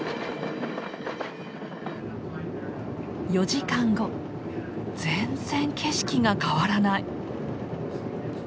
４時間後全然景色が変わらない。